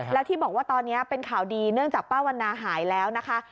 แล้วที่บอกว่าตอนนี้เป็นข่าวดีเนื่องจากป้าวันนาหายแล้วนะคะ